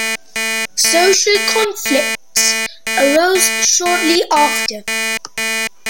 Social conflicts arose shortly after.